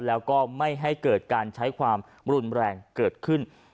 แล้วก็ไม่ให้เกิดการใช้ความรุนแรงเกิดขึ้น